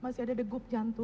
masih ada degup jantung